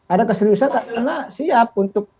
ada keseriusan karena siap untuk